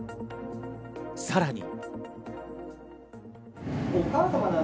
さらに。